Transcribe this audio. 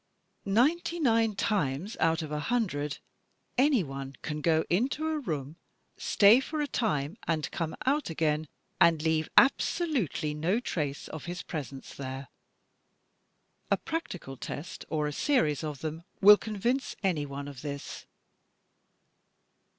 Ninety nine times out of a hundred any one can go into a room, stay for a time and come out again, and leave abso FALSE DEVICES 209 lutely no trace of his presence there. A practical test, or a series of them will convince anyone of this.